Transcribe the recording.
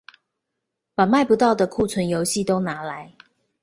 把賣不到的庫存遊戲都拿來